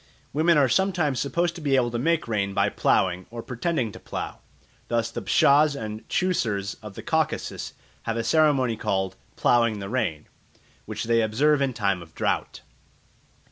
Women are sometimes supposed to be able to make rain by ploughing, or pretending to plough. Thus the Pshaws and Chewsurs of the Caucasus have a ceremony called "ploughing the rain," which they observe in time of drought.